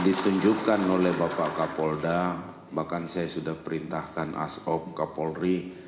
ditunjukkan oleh bapak kapolda bahkan saya sudah perintahkan asop kapolri